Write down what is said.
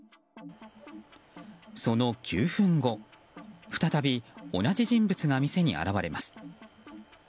その９分後、再び同じ人物が店に現れます。